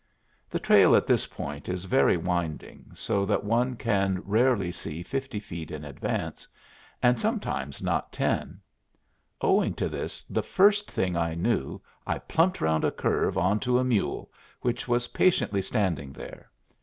The trail at this point is very winding, so that one can rarely see fifty feet in advance, and sometimes not ten. Owing to this, the first thing I knew I plumped round a curve on to a mule, which was patiently standing there.